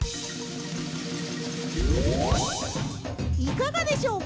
いかがでしょうか？